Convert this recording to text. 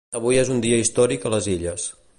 Avui és un dia històric a les Illes.